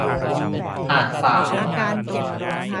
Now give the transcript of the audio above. หากสาว